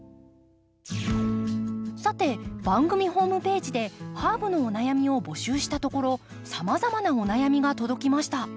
さて番組ホームページでハーブのお悩みを募集したところさまざまなお悩みが届きました。